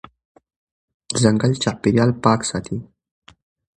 ځنګل چاپېریال پاک ساتي.